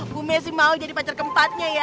bu messi mau jadi pacar keempatnya ya